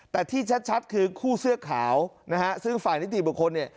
แต่ที่ชัดคือคู่เสื้อขาวนะฮะซึ่งฝ่ายนิติบุคคลเนี่ย